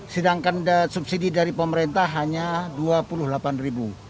sedangkan subsidi dari pemerintah hanya dua puluh delapan ribu